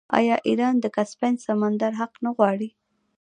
آیا ایران د کسپین سمندر حق نه غواړي؟